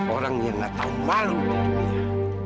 orang yang gak tau malu di dunia